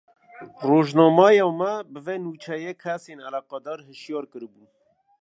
Rojnameya me, bi vê nûçeyê kesên eleqedar hişyar kiribûn